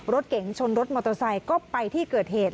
รถเก๋งชนรถมอเตอร์ไซค์ก็ไปที่เกิดเหตุ